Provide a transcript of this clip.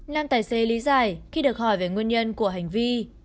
nam tài xế lý giải khi được hỏi về nguyên nhân của hành vi